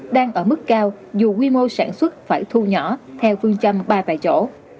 đang ở mức cao dù quy mô sản xuất phải thu nhỏ theo phương châm ba tại chỗ